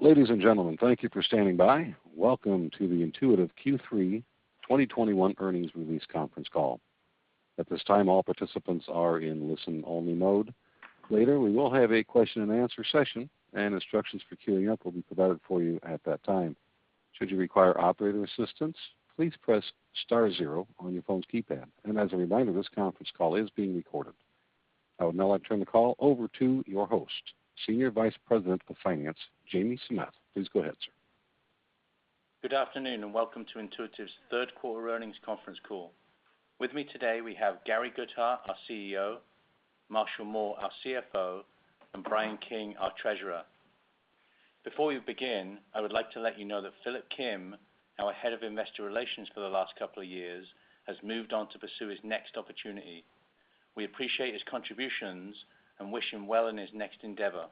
Ladies and gentlemen, thank you for standing by. Welcome to the Intuitive Q3 2021 earnings release conference call. At this time, all participants are in listen-only mode. Later, we will have a question and answer session, and instructions for queuing up will be provided for you at that time. Should you require operator assistance, please press star zero on your phone's keypad. As a reminder, this conference call is being recorded. I would now like to turn the call over to your host, Senior Vice President of Finance, Jamie Samath. Please go ahead, sir. Good afternoon, and welcome to Intuitive's Q3 earnings conference call. With me today, we have Gary Guthart, our CEO, Marshall Mohr, our CFO, and Brian King, our Treasurer. Before we begin, I would like to let you know that Philip Kim, our Head of Investor Relations for the last couple of years, has moved on to pursue his next opportunity. We appreciate his contributions and wish him well in his next endeavor.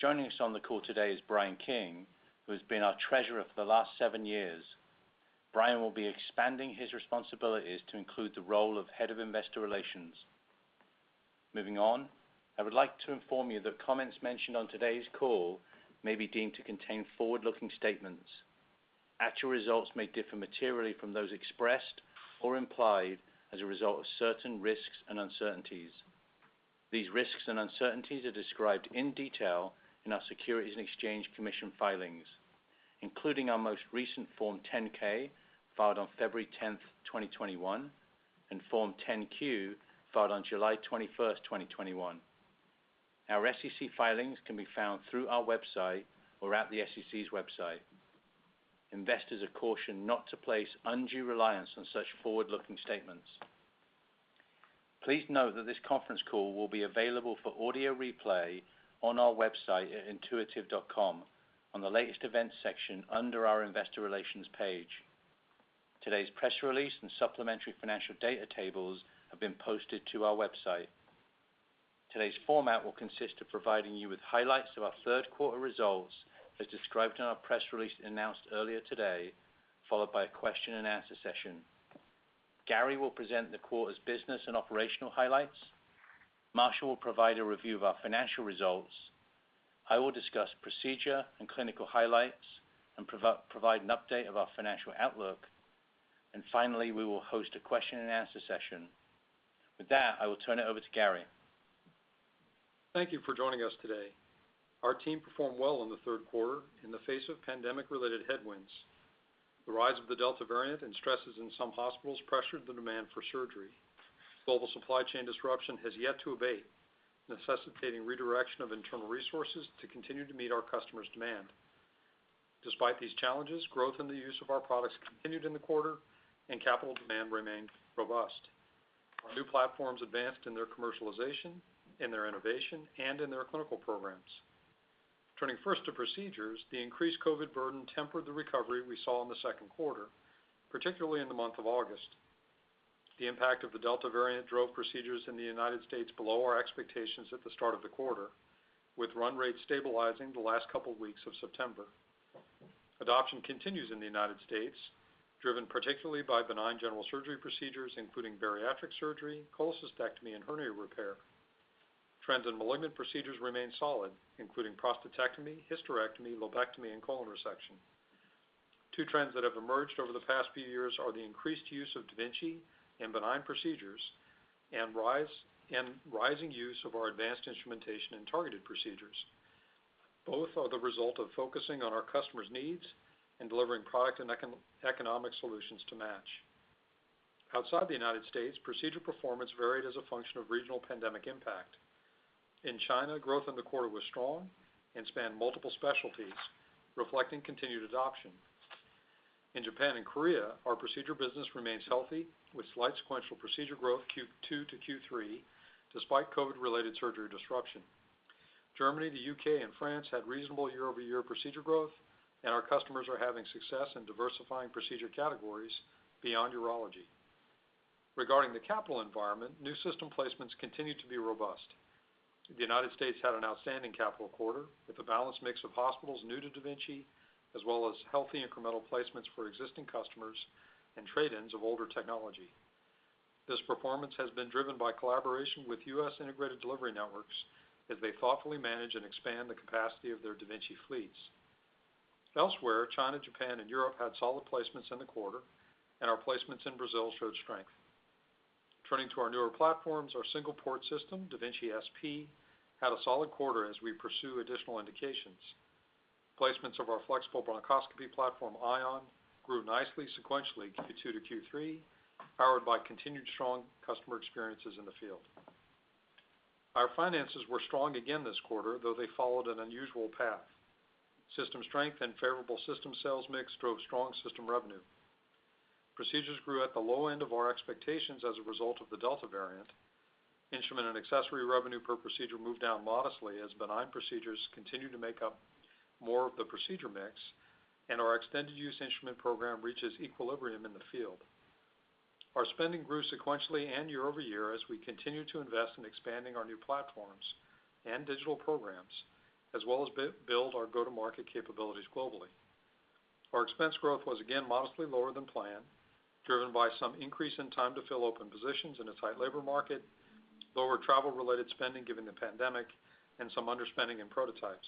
Joining us on the call today is Brian King, who has been our Treasurer for the last seven years. Brian will be expanding his responsibilities to include the role of Head of Investor Relations. Moving on, I would like to inform you that comments mentioned on today's call may be deemed to contain forward-looking statements. Actual results may differ materially from those expressed or implied as a result of certain risks and uncertainties. These risks and uncertainties are described in detail in our Securities and Exchange Commission filings, including our most recent Form 10-K filed on February 10, 2021, and Form 10-Q, filed on July 21, 2021. Our SEC filings can be found through our website or at the SEC's website. Investors are cautioned not to place undue reliance on such forward-looking statements. Please note that this conference call will be available for audio replay on our website at intuitive.com on the Latest Events section under our Investor Relations page. Today's press release and supplementary financial data tables have been posted to our website. Today's format will consist of providing you with highlights of our Q3 results, as described in our press release announced earlier today, followed by a question-and-answer session. Gary will present the quarter's business and operational highlights. Marshall will provide a review of our financial results. I will discuss procedure and clinical highlights and provide an update of our financial outlook. Finally, we will host a question and answer session. With that, I will turn it over to Gary. Thank you for joining us today. Our team performed well in the Q3 in the face of pandemic-related headwinds. The rise of the Delta variant and stresses in some hospitals pressured the demand for surgery. Global supply chain disruption has yet to abate, necessitating redirection of internal resources to continue to meet our customers' demand. Despite these challenges, growth in the use of our products continued in the quarter, and capital demand remained robust. Our new platforms advanced in their commercialization, in their innovation, and in their clinical programs. Turning first to procedures, the increased COVID burden tempered the recovery we saw in the Q2, particularly in the month of August. The impact of the Delta variant drove procedures in the United States below our expectations at the start of the quarter, with run rates stabilizing the last couple weeks of September. Adoption continues in the United States, driven particularly by benign general surgery procedures, including bariatric surgery, cholecystectomy, and hernia repair. Trends in malignant procedures remain solid, including prostatectomy, hysterectomy, lobectomy, and colon resection. Two trends that have emerged over the past few years are the increased use of da Vinci in benign procedures and rising use of our advanced instrumentation in targeted procedures. Both are the result of focusing on our customers' needs and delivering product and economic solutions to match. Outside the United States, procedure performance varied as a function of regional pandemic impact. In China, growth in the quarter was strong and spanned multiple specialties, reflecting continued adoption. In Japan and Korea, our procedure business remains healthy, with slight sequential procedure growth Q2 to Q3, despite COVID-related surgery disruption. Germany, the U.K., and France had reasonable year-over-year procedure growth, and our customers are having success in diversifying procedure categories beyond urology. Regarding the capital environment, new system placements continued to be robust. The United States had an outstanding capital quarter, with a balanced mix of hospitals new to da Vinci, as well as healthy incremental placements for existing customers and trade-ins of older technology. This performance has been driven by collaboration with U.S. integrated delivery networks as they thoughtfully manage and expand the capacity of their da Vinci fleets. Elsewhere, China, Japan, and Europe had solid placements in the quarter, and our placements in Brazil showed strength. Turning to our newer platforms, our single-port system, da Vinci SP, had a solid quarter as we pursue additional indications. Placements of our flexible bronchoscopy platform, Ion, grew nicely sequentially Q2 to Q3, powered by continued strong customer experiences in the field. Our finances were strong again this quarter, though they followed an unusual path. System strength and favorable system sales mix drove strong system revenue. Procedures grew at the low end of our expectations as a result of the Delta variant. Instrument and accessory revenue per procedure moved down modestly as benign procedures continue to make up more of the procedure mix and our extended use instrument program reaches equilibrium in the field. Our spending grew sequentially and year-over-year as we continue to invest in expanding our new platforms and digital programs, as well as build our go-to-market capabilities globally. Our expense growth was again modestly lower than planned, driven by some increase in time to fill open positions in a tight labor market, lower travel-related spending given the pandemic, and some underspending in prototypes.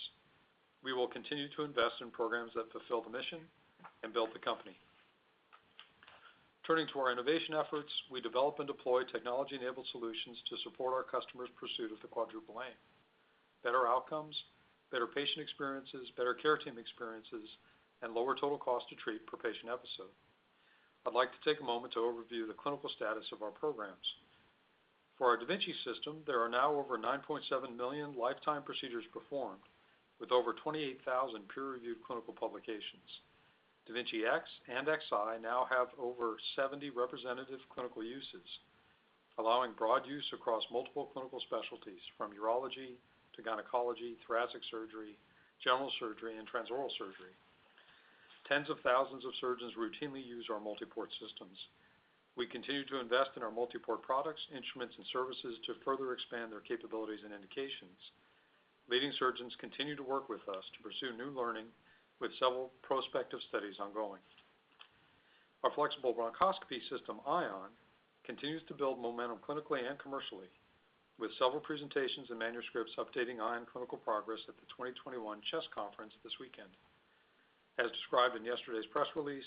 We will continue to invest in programs that fulfill the mission and build the company. Turning to our innovation efforts, we develop and deploy technology-enabled solutions to support our customers' pursuit of the Quadruple Aim, better outcomes, better patient experiences, better care team experiences, and lower total cost to treat per patient episode. I'd like to take a moment to overview the clinical status of our programs. For our da Vinci system, there are now over 9.7 million lifetime procedures performed, with over 28,000 peer-reviewed clinical publications. da Vinci X and Xi now have over 70 representative clinical uses, allowing broad use across multiple clinical specialties from urology to gynecology, thoracic surgery, general surgery, and transoral surgery. Tens of thousands of surgeons routinely use our multiport systems. We continue to invest in our multiport products, instruments, and services to further expand their capabilities and indications. Leading surgeons continue to work with us to pursue new learning with several prospective studies ongoing. Our flexible bronchoscopy system, Ion, continues to build momentum clinically and commercially, with several presentations and manuscripts updating Ion clinical progress at the 2021 CHEST Conference this weekend. As described in yesterday's press release,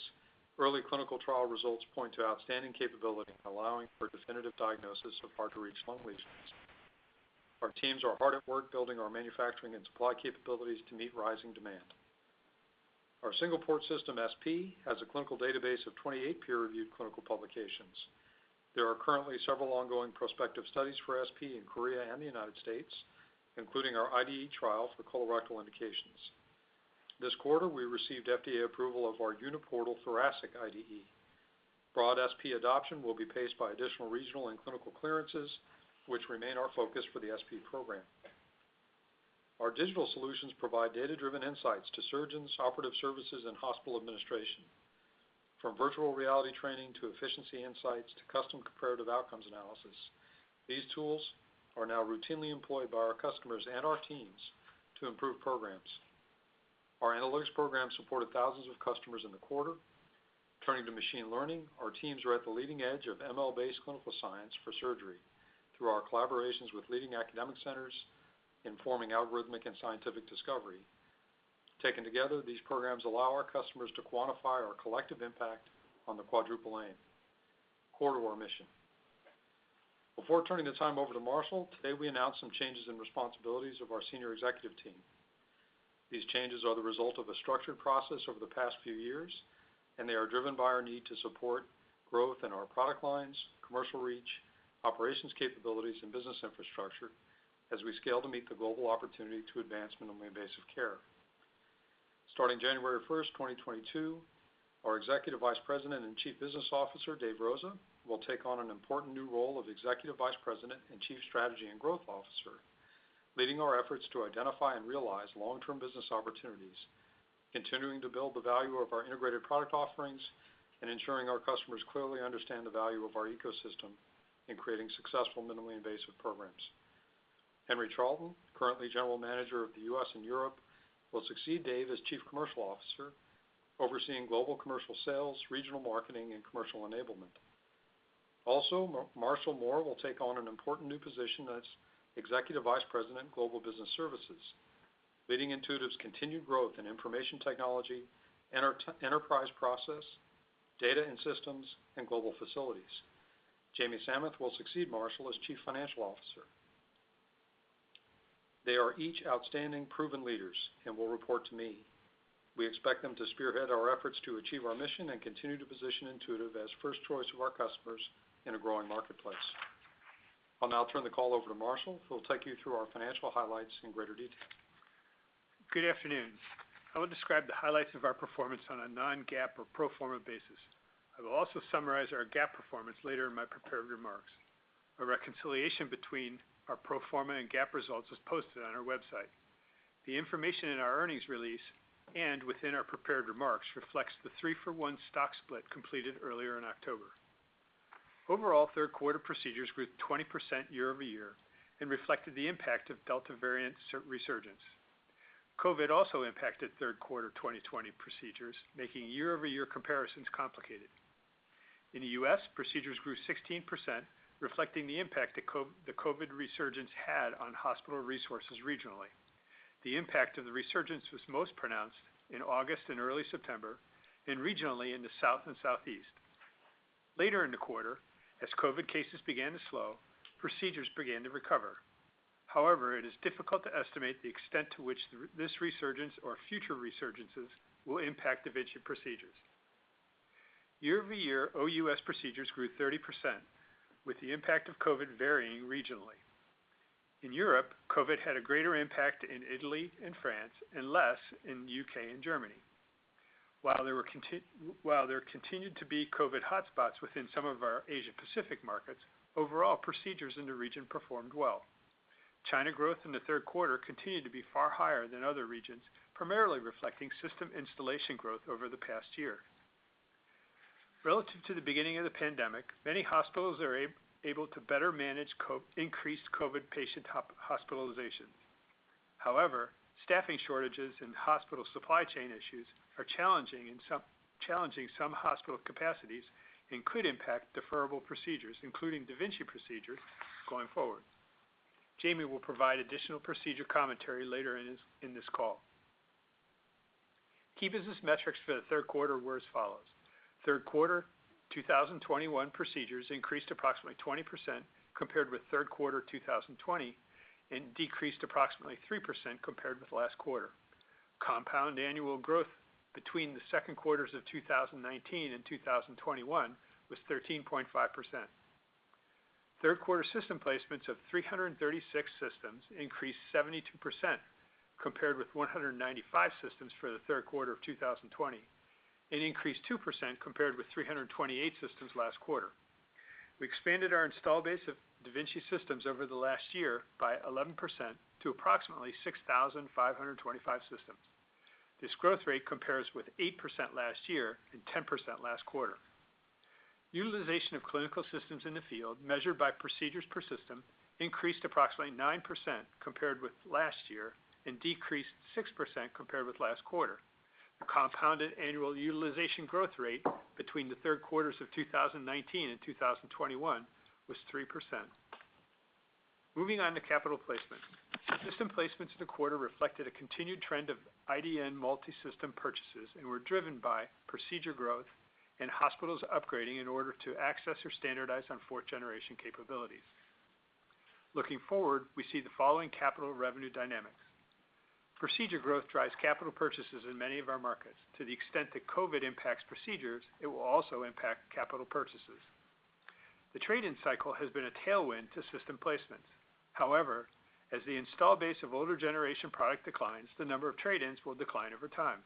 early clinical trial results point to outstanding capability allowing for definitive diagnosis of hard-to-reach lung lesions. Our teams are hard at work building our manufacturing and supply capabilities to meet rising demand. Our single-port system, SP, has a clinical database of 28 peer-reviewed clinical publications. There are currently several ongoing prospective studies for SP in Korea and the United States, including our IDE trial for colorectal indications. This quarter, we received FDA approval of our uni-portal thoracic IDE. Broad SP adoption will be paced by additional regional and clinical clearances, which remain our focus for the SP program. Our digital solutions provide data-driven insights to surgeons, operative services, and hospital administration. From virtual reality training to efficiency insights to custom comparative outcomes analysis, these tools are now routinely employed by our customers and our teams to improve programs. Our analytics program supported thousands of customers in the quarter. Turning to machine learning, our teams are at the leading edge of ML-based clinical science for surgery through our collaborations with leading academic centers in forming algorithmic and scientific discovery. Taken together, these programs allow our customers to quantify our collective impact on the Quadruple Aim, core to our mission. Before turning the time over to Marshall, today we announce some changes in responsibilities of our senior executive team. These changes are the result of a structured process over the past few years, and they are driven by our need to support growth in our product lines, commercial reach, operations capabilities, and business infrastructure as we scale to meet the global opportunity to advance minimally invasive care. Starting January 1st, 2022, our Executive Vice President and Chief Business Officer, Dave Rosa, will take on an important new role of Executive Vice President and Chief Strategy and Growth Officer, leading our efforts to identify and realize long-term business opportunities, continuing to build the value of our integrated product offerings, and ensuring our customers clearly understand the value of our ecosystem in creating successful minimally invasive programs. Henry Charlton, currently General Manager of the U.S. and Europe, will succeed Dave as Chief Commercial Officer, overseeing global commercial sales, regional marketing, and commercial enablement. Also, Marshall Mohr will take on an important new position as Executive Vice President, Global Business Services, leading Intuitive's continued growth in information technology, enterprise process, data and systems, and global facilities. Jamie Samath will succeed Marshall as Chief Financial Officer. They are each outstanding, proven leader and will report to me. We expect them to spearhead our efforts to achieve our mission and continue to position Intuitive as first choice of our customers in a growing marketplace. I'll now turn the call over to Marshall, who will take you through our financial highlights in greater details. Good afternoon. I will describe the highlights of our performance on a non-GAAP or pro forma basis. I will also summarize our GAAP performance later in my prepared remarks. A reconciliation between our pro forma and GAAP results is posted on our website. The information in our earnings release and within our prepared remarks reflects the three-for-one stock split completed earlier in October. Overall, Q3 procedures grew 20% year-over-year and reflected the impact of Delta variant resurgence. COVID also impacted Q3 2020 procedures, making year-over-year comparisons complicated. In the U.S., procedures grew 16%, reflecting the impact the COVID resurgence had on hospital resources regionally. The impact of the resurgence was most pronounced in August and early September and regionally in the South and Southeast. Later in the quarter, as COVID cases began to slow, procedures began to recover. It is difficult to estimate the extent to which this resurgence or future resurgences will impact da Vinci procedures. Year-over-year, OUS procedures grew 30%, with the impact of COVID varying regionally. In Europe, COVID had a greater impact in Italy and France and less in the U.K. and Germany. While there're continued to be COVID hotspots within some of our Asia-Pacific markets, overall procedures in the region performed well. China growth in the Q3 continued to be far higher than other regions, primarily reflecting system installation growth over the past one year. Relative to the beginning of the pandemic, many hospitals are able to better manage increased COVID patient hospitalizations. Staffing shortages and hospital supply chain issues are challenging some hospital capacities and could impact deferrable procedures, including da Vinci procedures going forward. Jamie will provide additional procedure commentary later in this call. Key business metrics for the Q3 were as follows. Q3 2021 procedures increased approximately 20% compared with Q3 2020, and decreased approximately 3% compared with last quarter. Compound annual growth between the Q2s of 2019 and 2021 was 13.5%. Q3 system placements of 336 systems increased 72% compared with 195 systems for the Q3 of 2020 and increased 2% compared with 328 systems last quarter. We expanded our install base of da Vinci systems over the last year by 11% to approximately 6,525 systems. This growth rate compares with 8% last year and 10% last quarter. Utilization of clinical systems in the field, measured by procedures per system, increased approximately 9% compared with last year and decreased 6% compared with last quarter. The compounded annual utilization growth rate between the Q3s of 2019 and 2021 was 3%. Moving on to capital placement. System placements in the quarter reflected a continued trend of IDN multi-system purchases and were driven by procedure growth and hospitals upgrading in order to access or standardize on fourth-generation capabilities. Looking forward, we see the following capital revenue dynamics. Procedure growth drives capital purchases in many of our markets. To the extent that COVID impacts procedures, it will also impact capital purchases. The trade-in cycle has been a tailwind to system placements. However, as the install base of older generation product declines, the number of trade-ins will decline over time.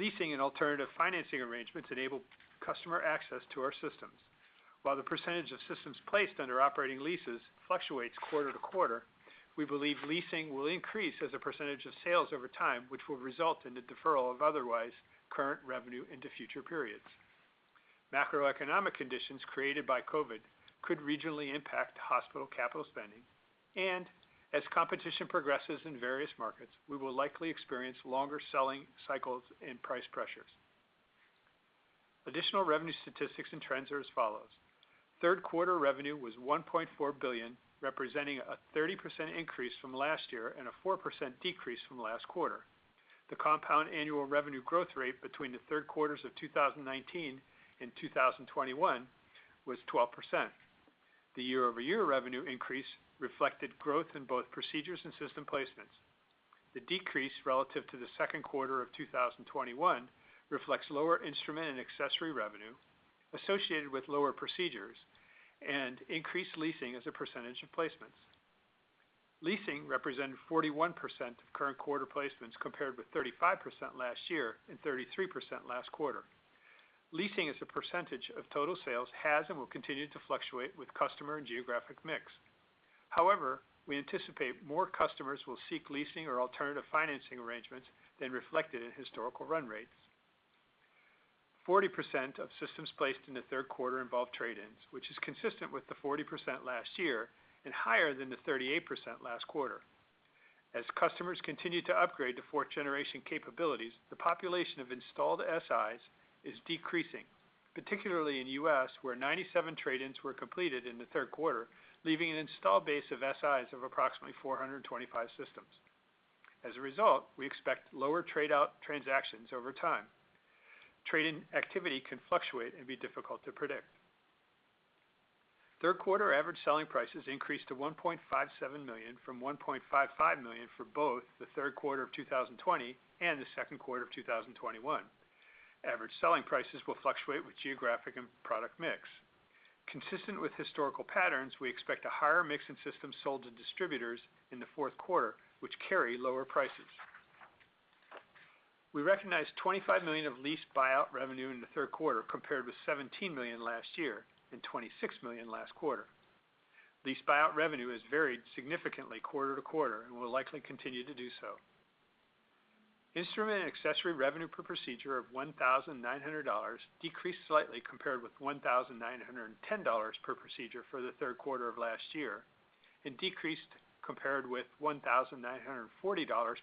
Leasing and alternative financing arrangements enable customer access to our systems. While the percentage of systems placed under operating leases fluctuates quarter-to-quarter, we believe leasing will increase as a percentage of sales over time, which will result in the deferral of otherwise current revenue into future periods. Macroeconomic conditions created by COVID could regionally impact hospital capital spending, and as competition progresses in various markets, we will likely experience longer selling cycles and price pressures. Additional revenue statistics and trends are as follows. Q3 revenue was $1.4 billion, representing a 30% increase from last year and a 4% decrease from last quarter. The compound annual revenue growth rate between the Q3s of 2019 and 2021 was 12%. The year-over-year revenue increase reflected growth in both procedures and system placements. The decrease relative to the Q2 of 2021 reflects lower instrument and accessory revenue associated with lower procedures and increased leasing as a percentage of placements. Leasing represented 41% of current quarter placements, compared with 35% last year and 33% last quarter. Leasing as a percentage of total sales has and will continue to fluctuate with customer and geographic mix. However, we anticipate more customers will seek leasing or alternative financing arrangements than reflected in historical run rates. 40% of systems placed in the Q3 involved trade-ins, which is consistent with the 40% last year and higher than the 38% last quarter. As customers continue to upgrade to fourth-generation capabilities, the population of installed SIs is decreasing, particularly in the U.S., where 97 trade-ins were completed in the Q3, leaving an install base of SIs of approximately 425 systems. As a result, we expect lower trade-out transactions over time. Trade-in activity can fluctuate and be difficult to predict. Q3 average selling prices increased to $1.57 million from $1.55 million for both the Q3 of 2020 and the Q2 of 2021. Average selling prices will fluctuate with geographic and product mix. Consistent with historical patterns, we expect a higher mix in systems sold to distributors in the Q4, which carry lower prices. We recognized $25 million of lease buyout revenue in the Q3, compared with $17 million last year and $26 million last quarter. Lease buyout revenue has varied significantly quarter-to-quarter and will likely continue to do so. Instrument and accessory revenue per procedure of $1,900 decreased slightly compared with $1,910 per procedure for the Q3 of last year and decreased compared with $1,940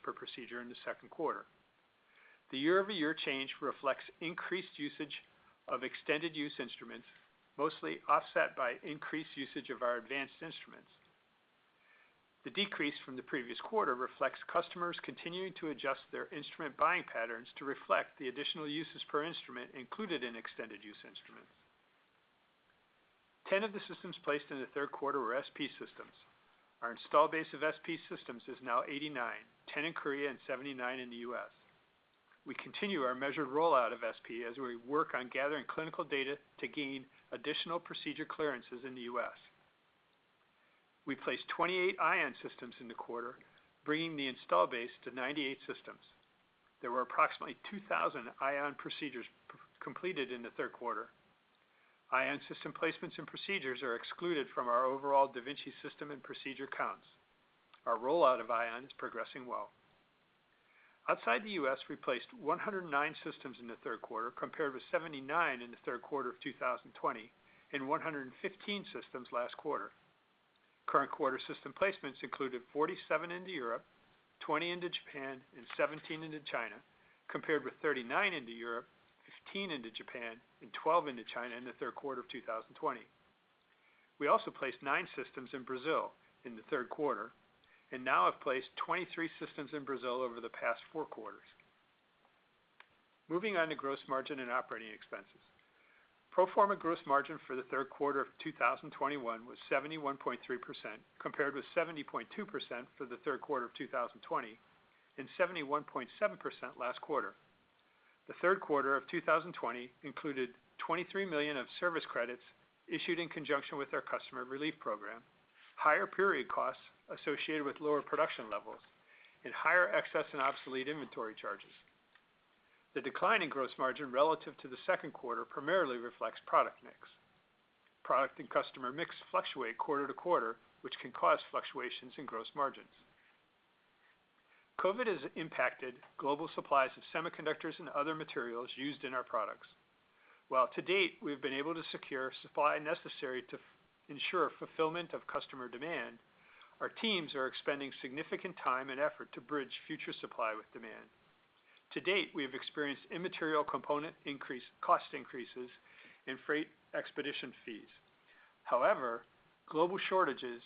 per procedure in the Q2. The year-over-year change reflects increased usage of extended use instruments, mostly offset by increased usage of our advanced instruments. The decrease from the previous quarter reflects customers continuing to adjust their instrument buying patterns to reflect the additional uses per instrument included in extended use instruments. 10 of the systems placed in the Q3 were SP systems. Our install base of SP systems is now 89, 10 in Korea and 79 in the U.S. We continue our measured rollout of SP as we work on gathering clinical data to gain additional procedure clearances in the U.S. We placed 28 Ion systems in the quarter, bringing the install base to 98 systems. There were approximately 2,000 Ion procedures completed in the Q3. Ion system placements and procedures are excluded from our overall da Vinci system and procedure counts. Our rollout of Ion is progressing well. Outside the U.S., we placed 109 systems in the Q3, compared with 79 in the Q3 of 2020 and 115 systems last quarter. Current quarter system placements included 47 into Europe, 20 into Japan, and 17 into China, compared with 39 into Europe, 15 into Japan, and 12 into China in the Q3 of 2020. We also placed 9 systems in Brazil in the Q3 and now have placed 23 systems in Brazil over the past four quarters. Moving on to gross margin and operating expenses. Pro forma gross margin for the Q3 of 2021 was 71.3%, compared with 70.2% for the Q3 of 2020 and 71.7% last quarter. The Q3 of 2020 included $23 million of service credits issued in conjunction with our customer relief program, higher period costs associated with lower production levels, and higher excess and obsolete inventory charges. The decline in gross margin relative to the Q2 primarily reflects product mix. Product and customer mix fluctuate quarter-to-quarter, which can cause fluctuations in gross margins. COVID has impacted global supplies of semiconductors and other materials used in our products. While to date, we've been able to secure supply necessary to ensure fulfillment of customer demand, our teams are expending significant time and effort to bridge future supply with demand. To date, we have experienced immaterial component cost increases and freight expedition fees. However, global shortages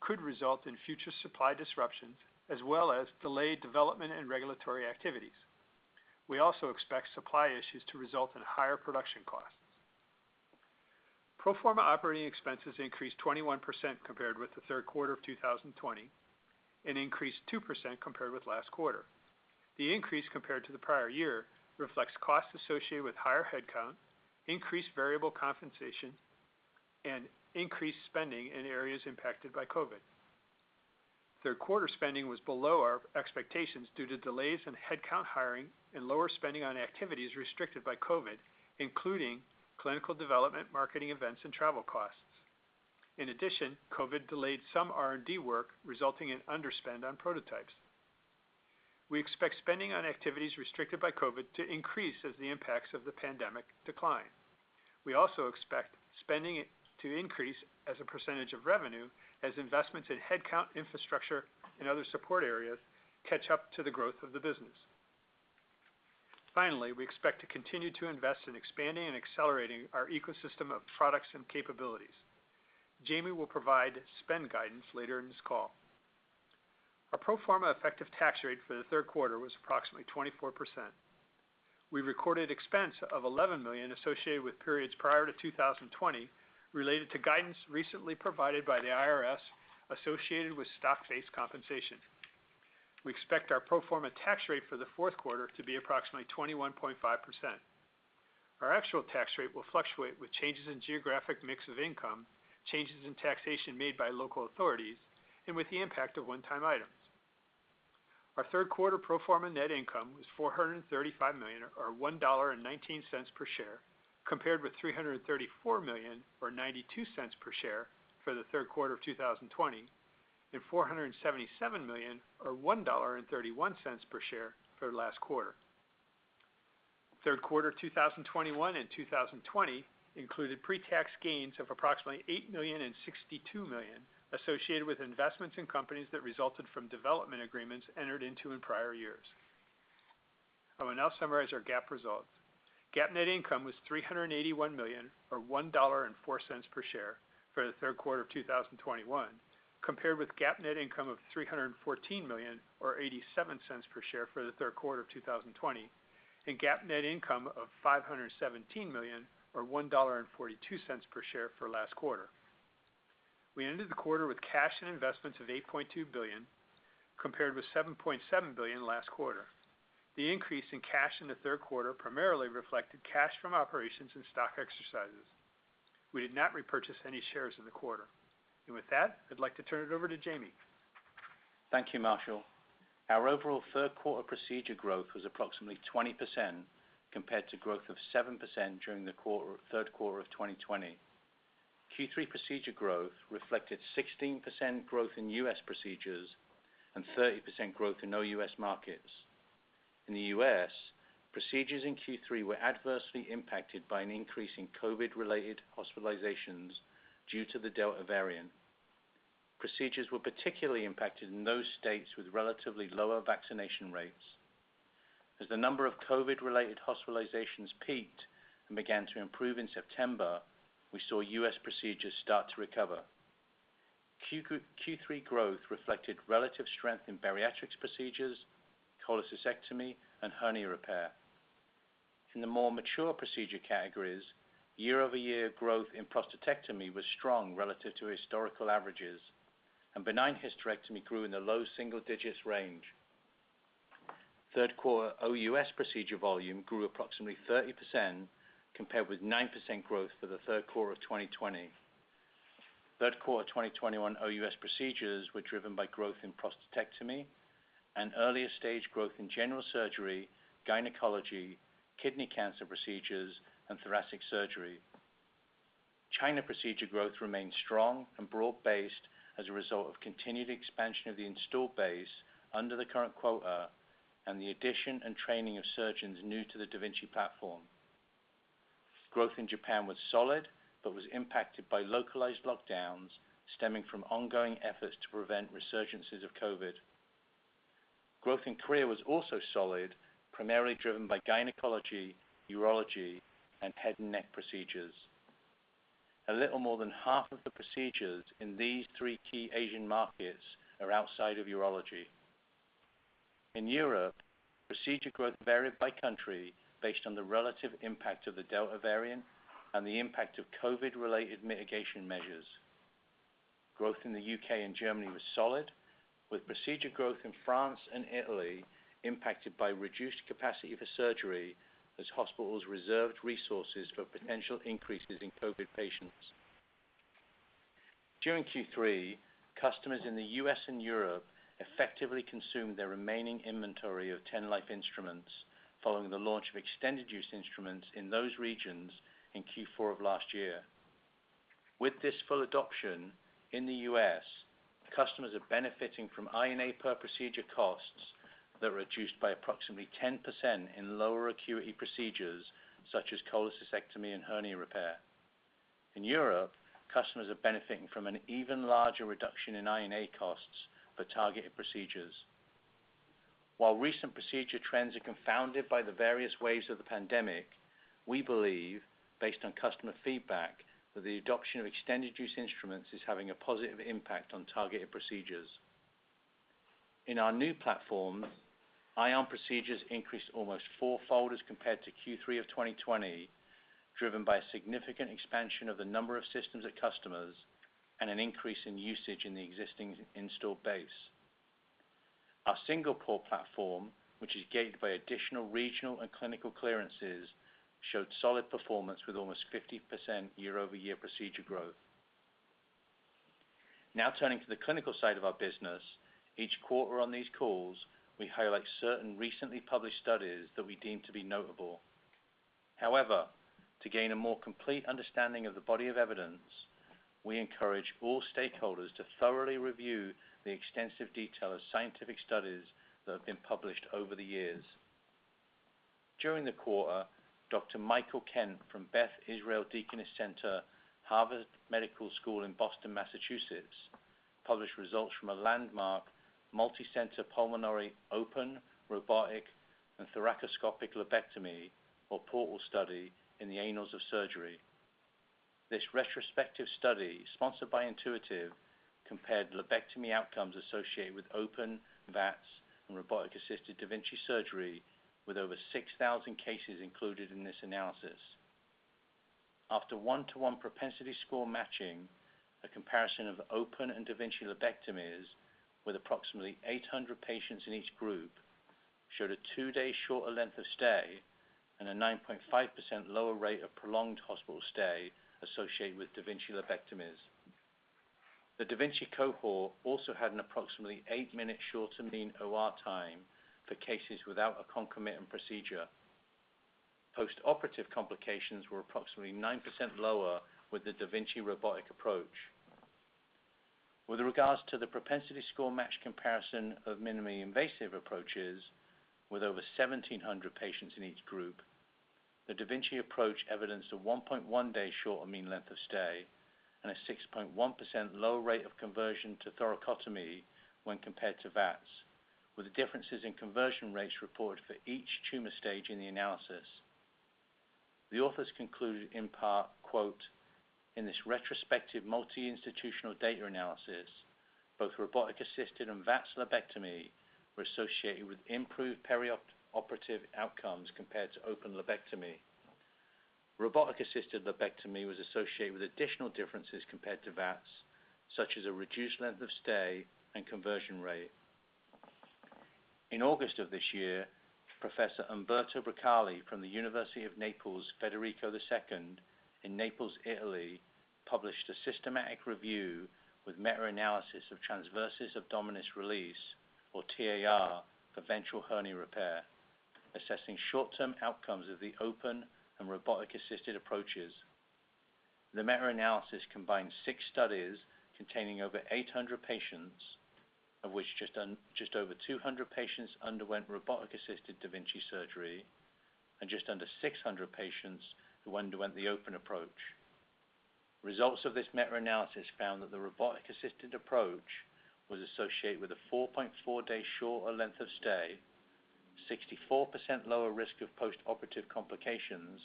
could result in future supply disruptions, as well as delayed development and regulatory activities. We also expect supply issues to result in higher production costs. Pro forma operating expenses increased 21% compared with the Q3 of 2020 and increased 2% compared with last quarter. The increase compared to the prior year reflects costs associated with higher headcount, increased variable compensation, and increased spending in areas impacted by COVID. Q3 spending was below our expectations due to delays in headcount hiring and lower spending on activities restricted by COVID, including clinical development, marketing events, and travel costs. In addition, COVID delayed some R&D work, resulting in underspend on prototypes. We expect spending on activities restricted by COVID to increase as the impacts of the pandemic decline. We also expect spending to increase as a percentage of revenue as investments in headcount, infrastructure, and other support areas catch up to the growth of the business. Finally, we expect to continue to invest in expanding and accelerating our ecosystem of products and capabilities. Jamie will provide spend guidance later in this call. Our pro forma effective tax rate for the Q3 was approximately 24%. We recorded expense of $11 million associated with periods prior to 2020 related to guidance recently provided by the IRS associated with stock-based compensation. We expect our pro forma tax rate for the Q4 to be approximately 21.5%. Our actual tax rate will fluctuate with changes in geographic mix of income, changes in taxation made by local authorities, and with the impact of one-time items. Our Q3 pro forma net income was $435 million, or $1.19 per share, compared with $334 million, or $0.92 per share for the Q3 of 2020 and $477 million or $1.31 per share for last quarter. Q3 2021 and 2020 included pre-tax gains of approximately $8 million and $62 million associated with investments in companies that resulted from development agreements entered into in prior years. I will now summarize our GAAP results. GAAP net income was $381 million, or $1.04 per share for the Q3 of 2021, compared with GAAP net income of $314 million, or $0.87 per share for the Q3 of 2020, and GAAP net income of $517 million, or $1.42 per share for last quarter. We ended the quarter with cash and investments of $8.2 billion, compared with $7.7 billion last quarter. The increase in cash in the Q3 primarily reflected cash from operations and stock exercises. We did not repurchase any shares in the quarter. With that, I'd like to turn it over to Jamie. Thank you, Marshall. Our overall Q3 procedure growth was approximately 20% compared to growth of 7% during the Q3 of 2020. Q3 procedure growth reflected 16% growth in U.S. procedures and 30% growth in OUS markets. In the U.S., procedures in Q3 were adversely impacted by an increase in COVID-related hospitalizations due to the Delta variant. Procedures were particularly impacted in those states with relatively lower vaccination rates. As the number of COVID-related hospitalizations peaked and began to improve in September, we saw U.S. procedures start to recover. Q3 growth reflected relative strength in bariatrics procedures, cholecystectomy, and hernia repair. In the more mature procedure categories, year-over-year growth in prostatectomy was strong relative to historical averages, and benign hysterectomy grew in the low single digits range. Q3 OUS procedure volume grew approximately 30%, compared with 9% growth for the Q3 of 2020. Q3 2021 OUS procedures were driven by growth in prostatectomy and earlier stage growth in general surgery, gynecology, kidney cancer procedures, and thoracic surgery. China procedure growth remained strong and broad-based as a result of continued expansion of the installed base under the current quota, and the addition and training of surgeons new to the da Vinci platform. Growth in Japan was solid but was impacted by localized lockdowns stemming from ongoing efforts to prevent resurgences of COVID. Growth in Korea was also solid, primarily driven by gynecology, urology, and head and neck procedures. A little more than half of the procedures in these three key Asian markets are outside of urology. In Europe, procedure growth varied by country based on the relative impact of the Delta variant and the impact of COVID-related mitigation measures. Growth in the U.K. and Germany was solid, with procedure growth in France and Italy impacted by reduced capacity for surgery as hospitals reserved resources for potential increases in COVID patients. During Q3, customers in the U.S. and Europe effectively consumed their remaining inventory of 10-use instruments following the launch of extended use instruments in those regions in Q4 of last year. With this full adoption in the U.S., customers are benefiting from INA per procedure costs that were reduced by approximately 10% in lower acuity procedures such as cholecystectomy and hernia repair. In Europe, customers are benefiting from an even larger reduction in INA costs for targeted procedures. While recent procedure trends are confounded by the various waves of the pandemic, we believe, based on customer feedback, that the adoption of extended use instruments is having a positive impact on targeted procedures. In our new platform, Ion procedures increased almost four-fold as compared to Q3 2020, driven by a significant expansion of the number of systems at customers and an increase in usage in the existing installed base. Our single-port platform, which is gated by additional regional and clinical clearances, showed solid performance with almost 50% year-over-year procedure growth. Turning to the clinical side of our business. Each quarter on these calls, we highlight certain recently published studies that we deem to be notable. To gain a more complete understanding of the body of evidence, we encourage all stakeholders to thoroughly review the extensive detail of scientific studies that have been published over the years. During the quarter, Dr. Michael Kent from Beth Israel Deaconess Medical Center, Harvard Medical School in Boston, Massachusetts, published results from a landmark multicenter pulmonary open, robotic, and thoracoscopic lobectomy or PORTAL study in the Annals of surgery. This retrospective study, sponsored by Intuitive, compared lobectomy outcomes associated with open VATS and robotic-assisted da Vinci surgery, with over 6,000 cases included in this analysis. After one-to-one propensity score matching, a comparison of open and da Vinci lobectomies with approximately 800 patients in each group showed a two-day shorter length of stay and a 9.5% lower rate of prolonged hospital stay associated with da Vinci lobectomies. The da Vinci cohort also had an approximately eight-minute shorter mean OR time for cases without a concomitant procedure. Postoperative complications were approximately 9% lower with the da Vinci robotic approach. With regards to the propensity-score-matched comparison of minimally invasive approaches, with over 1,700 patients in each group, the da Vinci approach evidenced a 1.1-day shorter mean length of stay and a 6.1% lower rate of conversion to thoracotomy when compared to VATS, with the differences in conversion rates reported for each tumor stage in the analysis. The authors concluded in part, quote, "In this retrospective multi-institutional data analysis, both robotic-assisted and VATS lobectomy were associated with improved perioperative outcomes compared to open lobectomy. Robotic-assisted lobectomy was associated with additional differences compared to VATS, such as a reduced length of stay and conversion rate." In August of this year, Professor Umberto Bracale from the University of Naples Federico II in Naples, Italy, published a systematic review with meta-analysis of transversus abdominis release, or TAR, for ventral hernia repair, assessing short-term outcomes of the open and robotic-assisted approaches. The meta-analysis combined six studies containing over 800 patients, of which just over 200 patients underwent robotic-assisted da Vinci surgery and just under 600 patients who underwent the open approach. Results of this meta-analysis found that the robotic-assisted approach was associated with a 4.4-day shorter length of stay, 64% lower risk of postoperative complications,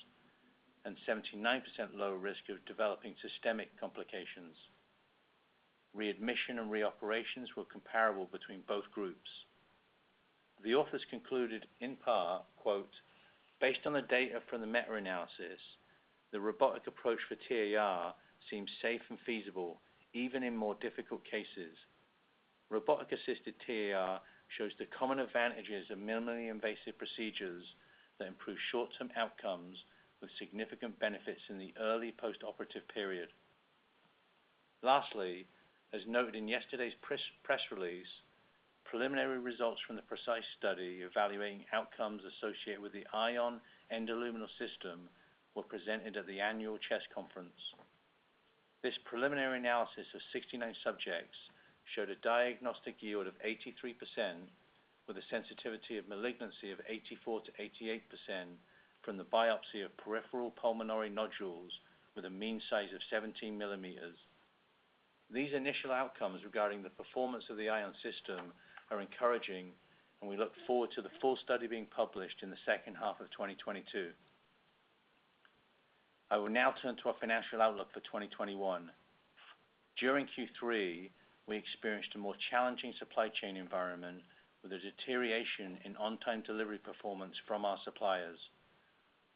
and 79% lower risk of developing systemic complications. Readmission and reoperations were comparable between both groups. The authors concluded in part, quote, "Based on the data from the meta-analysis, the robotic approach for TAR seems safe and feasible even in more difficult cases. Robotic-assisted TAR shows the common advantages of minimally invasive procedures that improve short-term outcomes with significant benefits in the early postoperative period." Lastly, as noted in yesterday's press release, preliminary results from the PRECIsE study evaluating outcomes associated with the Ion endoluminal system were presented at the annual CHEST conference. This preliminary analysis of 69 subjects showed a diagnostic yield of 83%, with a sensitivity of malignancy of 84%-88% from the biopsy of peripheral pulmonary nodules with a mean size of 17 millimeters. These initial outcomes regarding the performance of the Ion system are encouraging, and we look forward to the full study being published in the H2 of 2022. I will now turn to our financial outlook for 2021. During Q3, we experienced a more challenging supply chain environment with a deterioration in on-time delivery performance from our suppliers.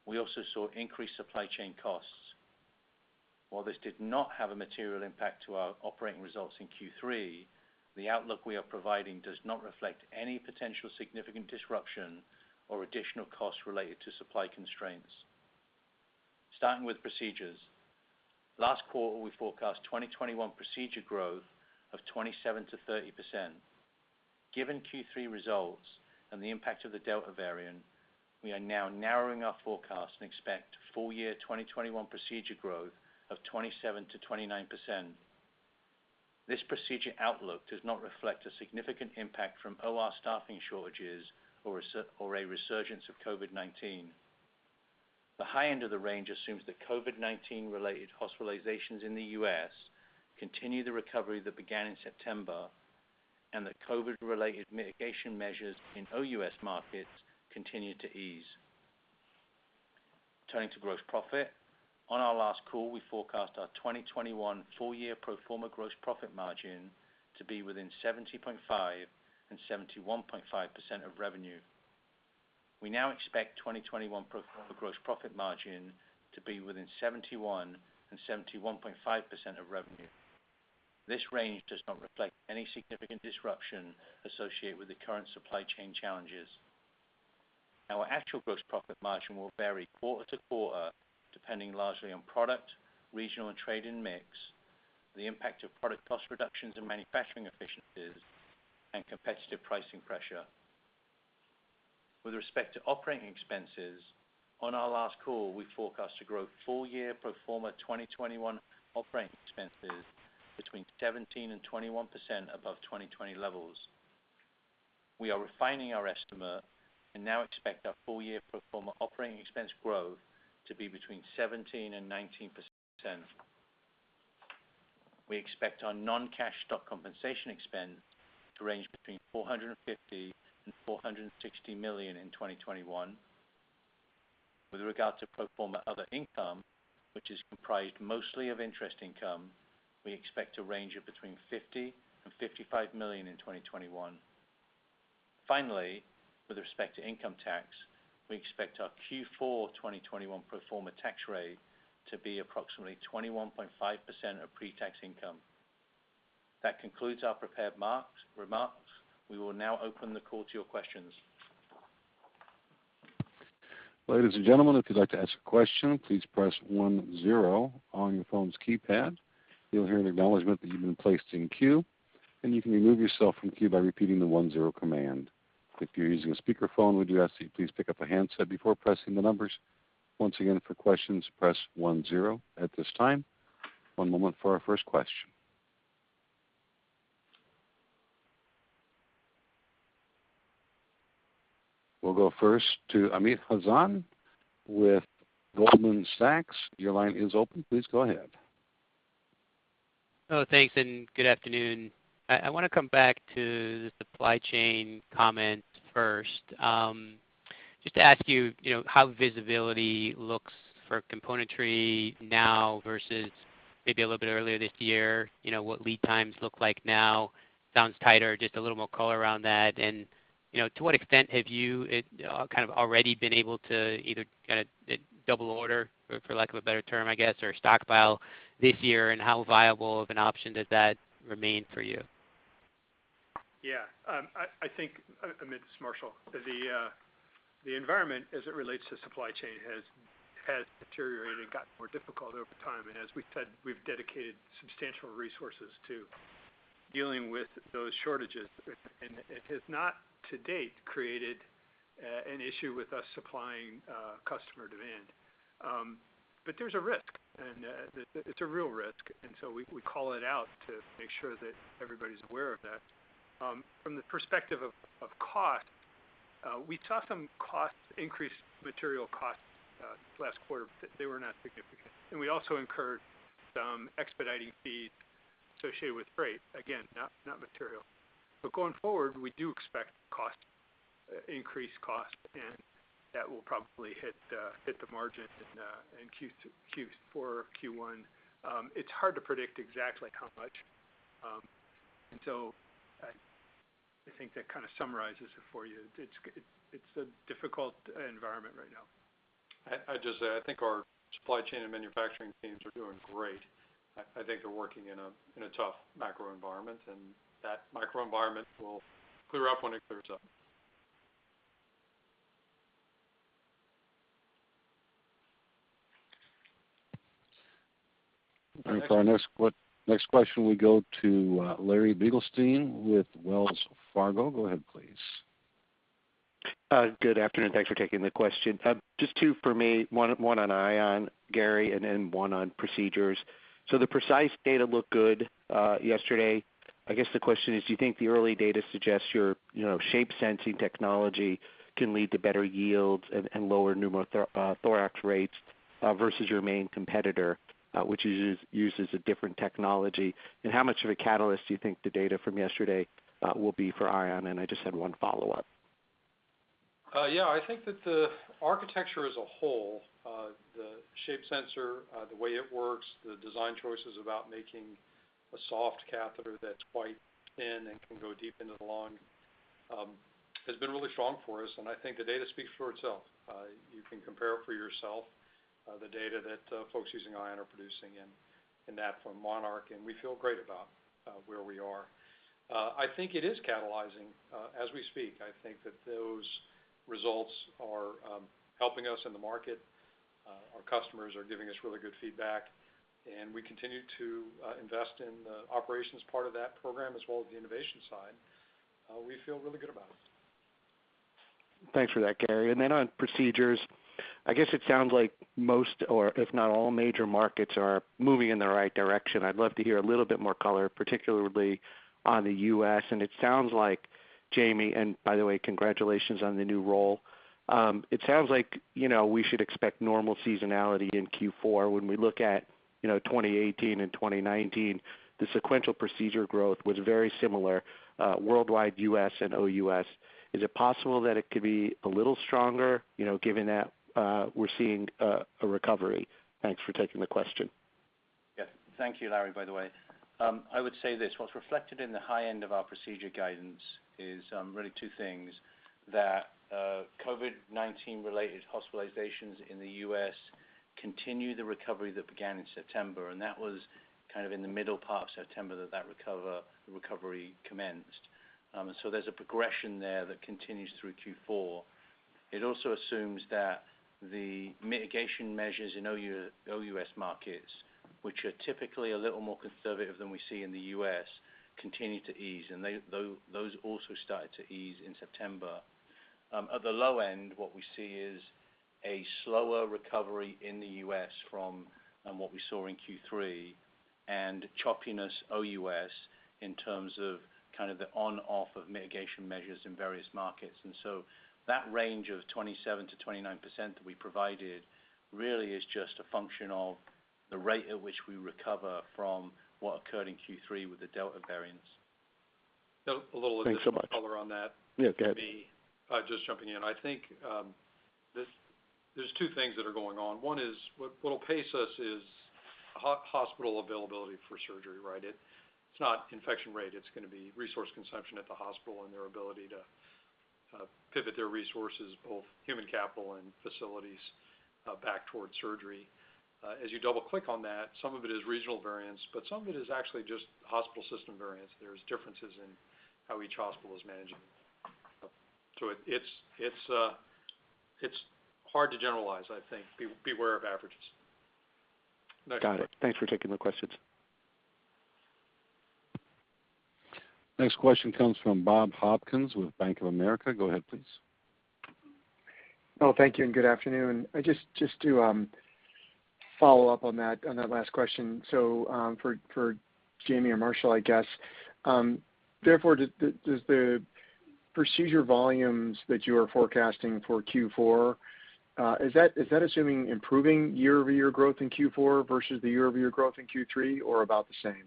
We also saw increased supply chain costs. While this did not have a material impact to our operating results in Q3, the outlook we are providing does not reflect any potential significant disruption or additional costs related to supply constraints. Starting with procedures. Last quarter, we forecast 2021 procedure growth of 27%-30%. Given Q3 results and the impact of the Delta variant, we are now narrowing our forecast and expect full year 2021 procedure growth of 27%-29%. This procedure outlook does not reflect a significant impact from OR staffing shortages or a resurgence of COVID-19. The high end of the range assumes that COVID-19 related hospitalizations in the U.S. continue the recovery that began in September, and that COVID related mitigation measures in OUS markets continue to ease. Turning to gross profit. On our last call, we forecast our 2021 full year pro forma gross profit margin to be within 70.5%-71.5% of revenue. We now expect 2021 pro forma gross profit margin to be within 71%-71.5% of revenue. This range does not reflect any significant disruption associated with the current supply chain challenges. Our actual gross profit margin will vary quarter-to-quarter, depending largely on product, regional and trade and mix, the impact of product cost reductions and manufacturing efficiencies and competitive pricing pressure. With respect to operating expenses, on our last call, we forecast to grow full year pro forma 2021 operating expenses between 17% and 21% above 2020 levels. We are refining our estimate and now expect our full year pro forma operating expense growth to be between 17% and 19%. We expect our non-cash stock compensation expense to range between $450 million and $460 million in 2021. With regard to pro forma other income, which is comprised mostly of interest income, we expect a range of between $50 million and $55 million in 2021. Finally, with respect to income tax, we expect our Q4 2021 pro forma tax rate to be approximately 21.5% of pre-tax income. That concludes our prepared remarks. We will now open the call to your questions. Ladies and gentlemen, if you would like to ask a question, please press one zero on your phone's keypad. [inaudible] One moment for our first question. We'll go first to Amit Hazan with Goldman Sachs. Your line is open. Please go ahead. Thanks, good afternoon. I want to come back to the supply chain comment first. Just to ask you how visibility looks for componentry now versus maybe a little bit earlier this year, what lead times look like now. Sounds tighter. Just a little more color around that. To what extent have you kind of already been able to either double order, for lack of a better term, I guess, or stockpile this year? How viable of an option does that remain for you? Yeah. Amit, it's Marshall. The environment as it relates to supply chain has deteriorated and gotten more difficult over time. As we've said, we've dedicated substantial resources to dealing with those shortages, and it has not to date created an issue with us supplying customer demand. There's a risk, and it's a real risk. We call it out to make sure that everybody's aware of that. From the perspective of cost, we saw some increased material costs last quarter. They were not significant. We also incurred some expediting fees associated with freight. Again, not material. Going forward, we do expect increased cost, and that will probably hit the margin in Q4 or Q1. It's hard to predict exactly how much. I think that kind of summarizes it for you. It's a difficult environment right now. I'd just say, I think our supply chain and manufacturing teams are doing great. I think they're working in a tough macro environment. That macro environment will clear up when it clears up. All right. For our next question, we go to Larry Biegelsen with Wells Fargo. Go ahead please. Good afternoon. Thanks for taking the question. Just two for me, one on Ion, Gary, and then one on procedures. The PRECIsE data looked good yesterday. I guess the question is, do you think the early data suggests your shape sensing technology can lead to better yields and lower pneumothorax rates versus your main competitor, which uses a different technology? How much of a catalyst do you think the data from yesterday will be for Ion? I just had one follow-up. Yeah, I think that the architecture as a whole, the shape sensor, the way it works, the design choices about making a soft catheter that's quite thin and can go deep into the lung, has been really strong for us, and I think the data speaks for itself. You can compare for yourself the data that folks using Ion are producing and that from Monarch. We feel great about where we are. I think it is catalyzing as we speak. I think that those results are helping us in the market. Our customers are giving us really good feedback. We continue to invest in the operations part of that program as well as the innovation side. We feel really good about it. Thanks for that, Gary. Then on procedures, I guess it sounds like most or if not all major markets are moving in the right direction. I'd love to hear a little bit more color, particularly on the U.S. It sounds like Jamie, and by the way, congratulations on the new role. It sounds like we should expect normal seasonality in Q4. When we look at 2018 and 2019, the sequential procedure growth was very similar worldwide U.S. and OUS. Is it possible that it could be a little stronger, given that we're seeing a recovery? Thanks for taking the question. Yes. Thank you, Larry, by the way. I would say this. What's reflected in the high end of our procedure guidance is really two things. That COVID-19 related hospitalizations in the U.S. continue the recovery that began in September, and that was kind of in the middle part of September that recovery commenced. There's a progression there that continues through Q4. It also assumes that the mitigation measures in OUS markets, which are typically a little more conservative than we see in the U.S., continue to ease. Those also started to ease in September. At the low end, what we see is a slower recovery in the U.S. from what we saw in Q3 and choppiness OUS in terms of the on/off of mitigation measures in various markets. That range of 27%-29% that we provided really is just a function of the rate at which we recover from what occurred in Q3 with the Delta variants. Thanks so much. A little additional color on that. Yeah, Gary. just jumping in. I think there's two things that are going on. One is, what will pace us is hospital availability for surgery, right? It's not infection rate. It's going to be resource consumption at the hospital and their ability to pivot their resources, both human capital and facilities, back towards surgery. As you double-click on that, some of it is regional variance, but some of it is actually just hospital system variance. There's differences in how each hospital is managing. It's hard to generalize, I think. Beware of averages. Got it. Thanks for taking the questions. Next question comes from Bob Hopkins with Bank of America. Go ahead, please. Thank you, good afternoon. Just to follow up on that last question. For Jamie or Marshall, I guess. Does the procedure volumes that you are forecasting for Q4, is that assuming improving year-over-year growth in Q4 versus the year-over-year growth in Q3, or about the same?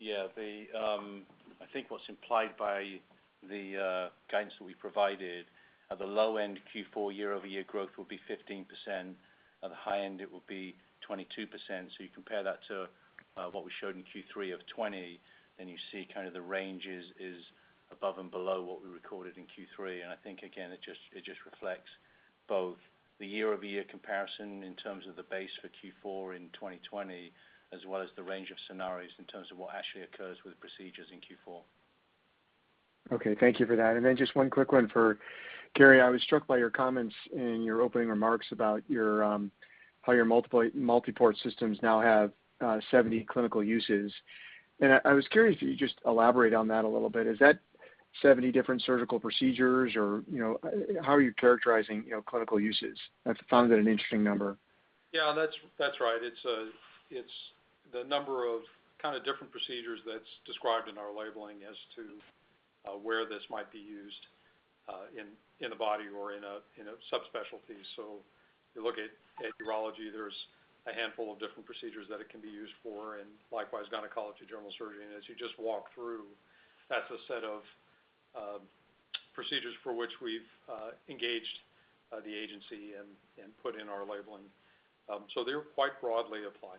Yeah. I think what's implied by the guidance that we provided at the low end Q4 year-over-year growth will be 15%. At the high end, it will be 22%. You compare that to what we showed in Q3 of 2020, and you see kind of the range is above and below what we recorded in Q3. I think, again, it just reflects both the year-over-year comparison in terms of the base for Q4 in 2020 as well as the range of scenarios in terms of what actually occurs with procedures in Q4. Okay. Thank you for that. Just one quick one for Gary. I was struck by your comments in your opening remarks about how your multiport systems now have 70 clinical uses. I was curious if you could just elaborate on that a little bit. Is that 70 different surgical procedures or how are you characterizing clinical uses? I found that an interesting number. Yeah. That's right. It's the number of kind of different procedures that's described in our labeling as to where this might be used in the body or in a subspecialty. You look at urology, there's a handful of different procedures that it can be used for, and likewise gynecology, general surgery. As you just walked through, that's a set of procedures for which we've engaged the agency and put in our labeling. They're quite broadly applied.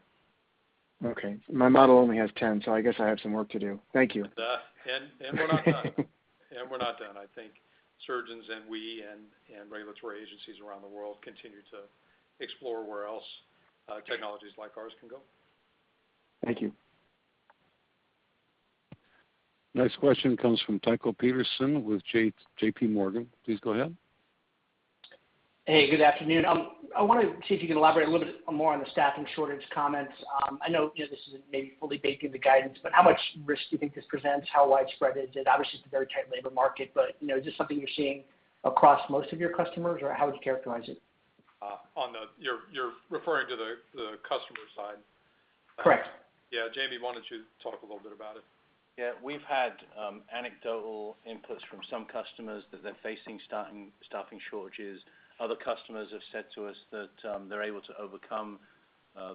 Okay. My model only has 10, so I guess I have some work to do. Thank you. We're not done. I think surgeons and we and regulatory agencies around the world continue to explore where else technologies like ours can go. Thank you. Next question comes from Tycho Peterson with JPMorgan. Please go ahead. Hey, good afternoon. I want to see if you can elaborate a little bit more on the staffing shortage comments. I know this isn't maybe fully baked in the guidance, but how much risk do you think this presents? How widespread is it? Obviously, it's a very tight labor market, but is this something you're seeing across most of your customers, or how would you characterize it? You're referring to the customer side? Correct. Yeah. Jamie, why don't you talk a little bit about it? Yeah. We've had anecdotal inputs from some customers that they're facing staffing shortages. Other customers have said to us that they're able to overcome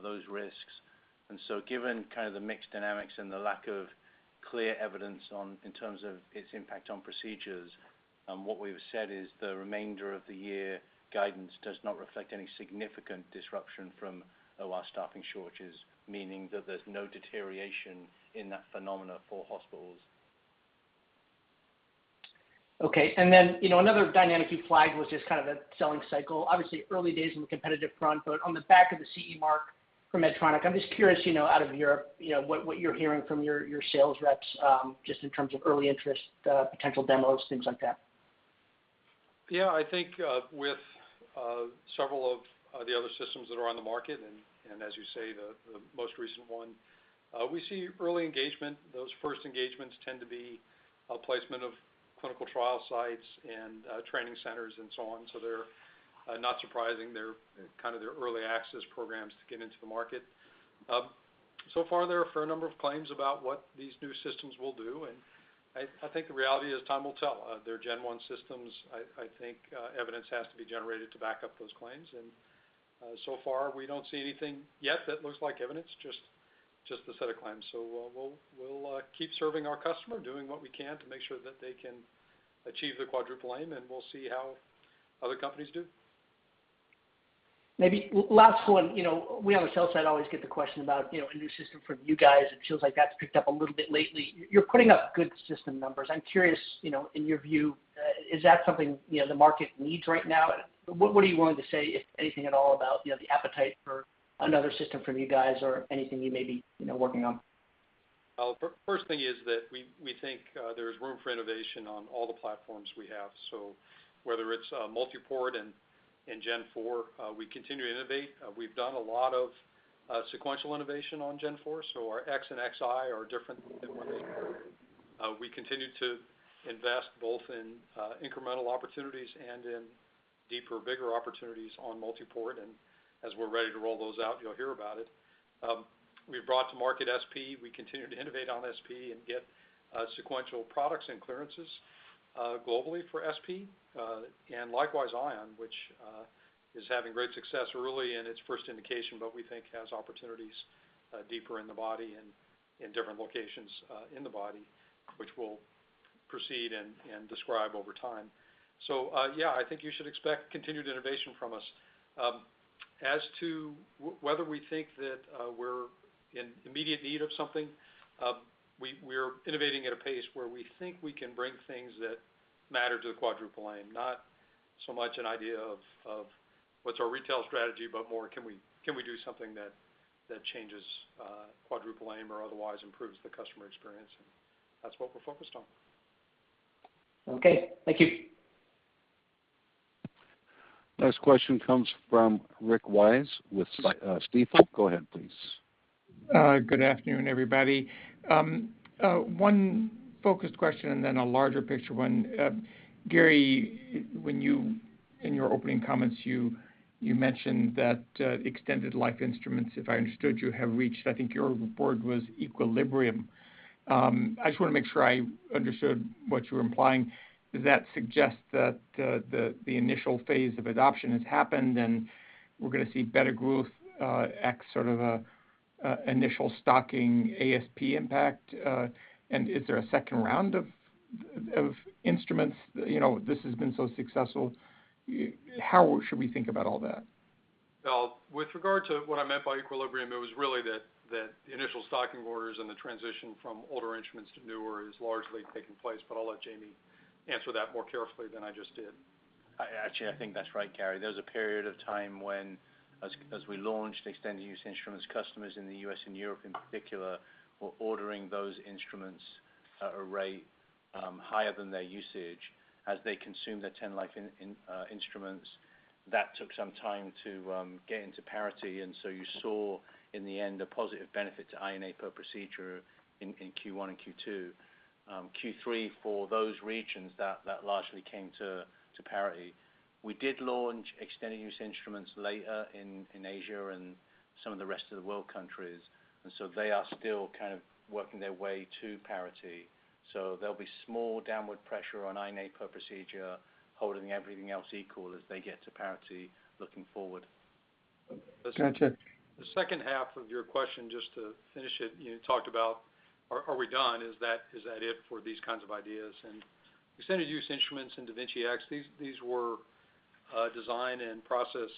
those risks. Given kind of the mixed dynamics and the lack of clear evidence in terms of its impact on procedures, what we've said is the remainder of the year guidance does not reflect any significant disruption from OR staffing shortages, meaning that there's no deterioration in that phenomena for hospitals. Okay. Another dynamic you flagged was just kind of the selling cycle. Obviously, early days on the competitive front, but on the back of the CE mark from Medtronic, I'm just curious, out of Europe, what you're hearing from your sales reps, just in terms of early interest, potential demos, things like that. Yeah. I think with several of the other systems that are on the market, and as you say, the most recent one, we see early engagement. Those first engagements tend to be a placement of clinical trial sites and training centers and so on. They're not surprising. They're kind of the early access programs to get into the market. Far, there are a fair number of claims about what these new systems will do, and I think the reality is time will tell. They're gen one systems. I think evidence has to be generated to back up those claims, and so far, we don't see anything yet that looks like evidence, just the set of claims. We'll keep serving our customer, doing what we can to make sure that they can achieve the Quadruple Aim, and we'll see how other companies do. Maybe last one. We on the sell side always get the question about a new system from you guys. It feels like that's picked up a little bit lately. You're putting up good system numbers. I'm curious, in your view, is that something the market needs right now? What are you willing to say, if anything at all, about the appetite for another system from you guys or anything you may be working on? Well, first thing is that we think there is room for innovation on all the platforms we have. Whether it's multiport and gen four, we continue to innovate. We've done a lot of sequential innovation on gen four, so our X and Xi are different than one. We continue to invest both in incremental opportunities and in deeper, bigger opportunities on multiport, and as we're ready to roll those out, you'll hear about it. We've brought to market SP. We continue to innovate on SP and get sequential products and clearances globally for SP. Likewise, Ion, which is having great success early in its first indication, but we think has opportunities deeper in the body and in different locations in the body, which we'll proceed and describe over time. Yeah, I think you should expect continued innovation from us. As to whether we think that we're in immediate need of something, we're innovating at a pace where we think we can bring things that matter to the Quadruple Aim, not so much an idea of what's our retail strategy, but more can we do something that changes Quadruple Aim or otherwise improves the customer experience. That's what we're focused on. Okay. Thank you. Next question comes from Rick Wise with Stifel. Go ahead, please. Good afternoon, everybody. One focused question and then a larger picture one. Gary, when you, in your opening comments, you mentioned that extended life instruments, if I understood you, have reached, I think your word was equilibrium. I just want to make sure I understood what you were implying. Does that suggest that the initial phase of adoption has happened and we're going to see better growth, X sort of initial stocking ASP impact? Is there a second round of instruments? This has been so successful. How should we think about all that? Well, with regard to what I meant by equilibrium, it was really that the initial stocking orders and the transition from older instruments to newer is largely taking place, but I'll let Jamie answer that more carefully than I just did. Actually, I think that's right, Gary. There was a period of time when, as we launched extended use instruments, customers in the U.S. and Europe in particular were ordering those instruments at a rate higher than their usage as they consumed their 10 life instruments. That took some time to get into parity. You saw in the end a positive benefit to INA per procedure in Q1 and Q2. Q3, for those regions, that largely came to parity. We did launch extended use instruments later in Asia and some of the rest of the world countries. They are still kind of working their way to parity. There'll be small downward pressure on INA per procedure, holding everything else equal as they get to parity looking forward. Gotcha. The H2 of your question, just to finish it, you talked about are we done? Is that it for these kinds of ideas? Extended use instruments and da Vinci Xi, these were design and process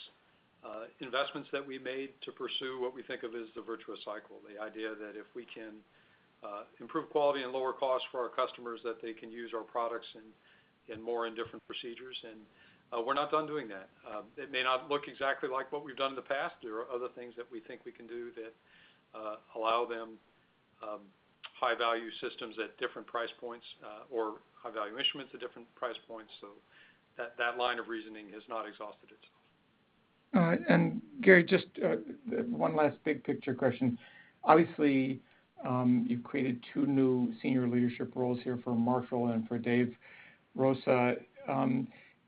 investments that we made to pursue what we think of as the virtuous cycle. The idea that if we can improve quality and lower cost for our customers, that they can use our products in more and different procedures, we're not done doing that. It may not look exactly like what we've done in the past. There are other things that we think we can do that allow them. High-value systems at different price points or high-value instruments at different price points. That line of reasoning has not exhausted itself. All right. Gary, just one last big-picture question. Obviously, you've created two new senior leadership roles here for Marshall and for Dave Rosa.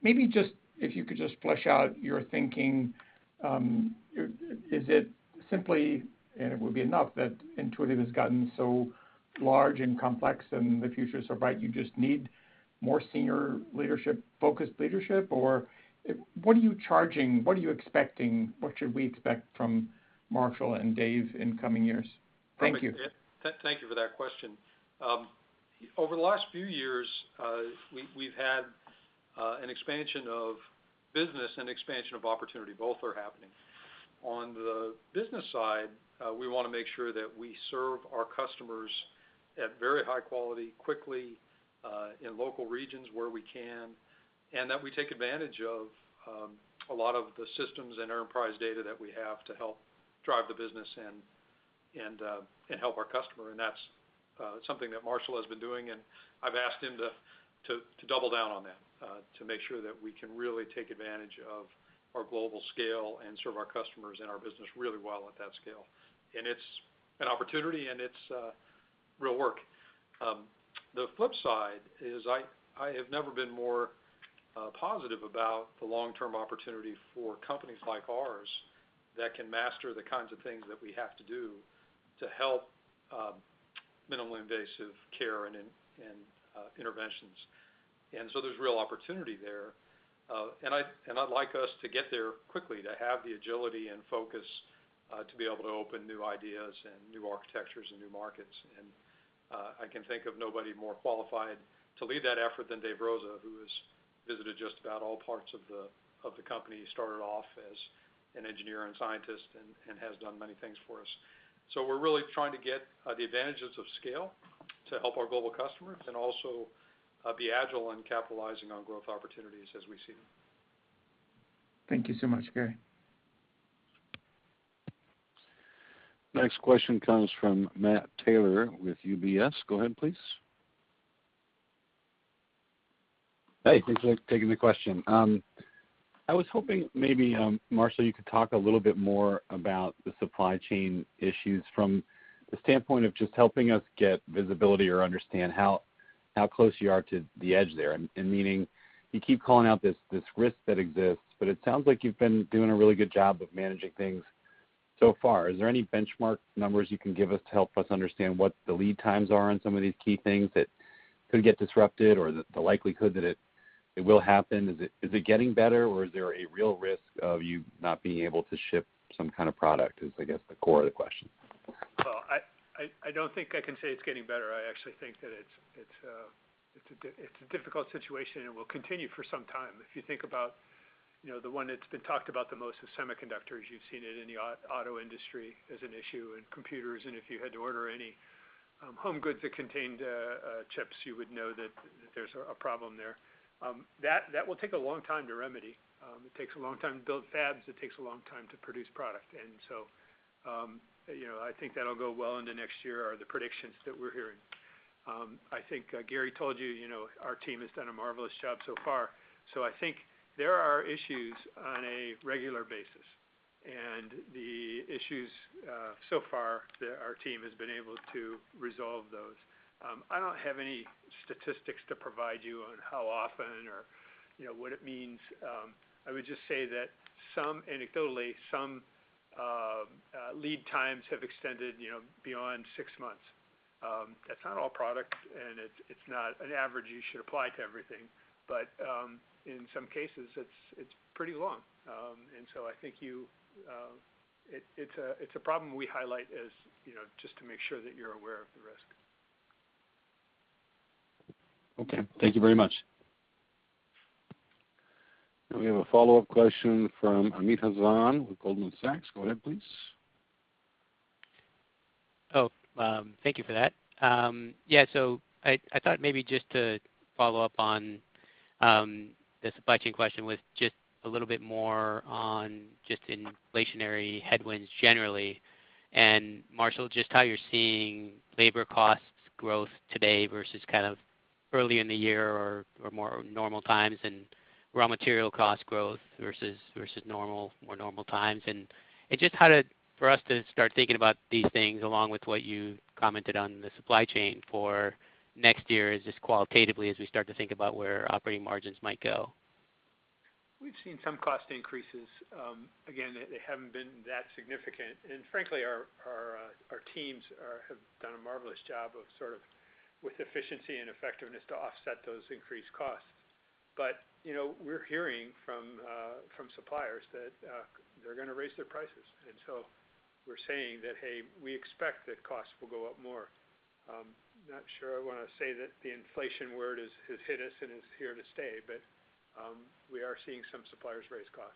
Maybe if you could just flesh out your thinking, is it simply, and it would be enough, that Intuitive has gotten so large and complex, and the future is so bright, you just need more senior leadership, focused leadership? What are you charging? What are you expecting? What should we expect from Marshall and Dave in coming years? Thank you. Thank you for that question. Over the last few years, we've had an expansion of business and expansion of opportunity. Both are happening. On the business side, we want to make sure that we serve our customers at very high quality, quickly, in local regions where we can, and that we take advantage of a lot of the systems and enterprise data that we have to help drive the business and help our customer. That's something that Marshall has been doing, and I've asked him to double down on that, to make sure that we can really take advantage of our global scale and serve our customers and our business really well at that scale. It's an opportunity, and it's real work. The flip side is I have never been more positive about the long-term opportunity for companies like ours that can master the kinds of things that we have to do to help minimally invasive care and interventions. There's real opportunity there. I'd like us to get there quickly, to have the agility and focus to be able to open new ideas and new architectures and new markets. I can think of nobody more qualified to lead that effort than Dave Rosa, who has visited just about all parts of the company. He started off as an engineer and scientist and has done many things for us. We're really trying to get the advantages of scale to help our global customers and also be agile in capitalizing on growth opportunities as we see them. Thank you so much, Gary. Next question comes from Matt Taylor with UBS. Go ahead, please. Hey, thanks for taking the question. I was hoping maybe, Marshall, you could talk a little bit more about the supply chain issues from the standpoint of just helping us get visibility or understand how close you are to the edge there, and meaning you keep calling out this risk that exists, but it sounds like you've been doing a really good job of managing things so far. Is there any benchmark numbers you can give us to help us understand what the lead times are on some of these key things that could get disrupted, or the likelihood that it will happen? Is it getting better, or is there a real risk of you not being able to ship some kind of product, is I guess the core of the question? Well, I don't think I can say it's getting better. I actually think that it's a difficult situation and will continue for some time. If you think about the one that's been talked about the most is semiconductors. You've seen it in the auto industry as an issue, in computers, and if you had to order any home goods that contained chips, you would know that there's a problem there. That will take a long time to remedy. It takes a long time to build fabs. It takes a long time to produce product. I think that'll go well into next year are the predictions that we're hearing. I think Gary told you, our team has done a marvelous job so far. I think there are issues on a regular basis. The issues so far, our team has been able to resolve those. I don't have any statistics to provide you on how often or what it means. I would just say that anecdotally, some lead times have extended beyond six months. That's not all products; it's not an average you should apply to everything. In some cases, it's pretty long. I think it's a problem we highlight just to make sure that you're aware of the risk. Okay. Thank you very much. We have a follow-up question from Amit Hazan with Goldman Sachs. Go ahead, please. Oh, thank you for that. Yeah, I thought maybe just to follow up on the supply chain question with just a little bit more on just inflationary headwinds generally, and Marshall, just how you're seeing labor costs growth today versus kind of early in the year or more normal times and raw material cost growth versus more normal times. Just for us to start thinking about these things along with what you commented on the supply chain for next year is just qualitatively as we start to think about where operating margins might go. We've seen some cost increases. Again, they haven't been that significant. Frankly, our teams have done a marvelous job of sort of with efficiency and effectiveness to offset those increased costs. We're hearing from suppliers that they're going to raise their prices. We're saying that, hey, we expect that costs will go up more. I'm not sure I want to say that the inflation word has hit us and is here to stay, but we are seeing some suppliers raise costs.